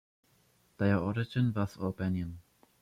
Their origin was Albanian.